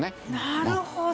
なるほど！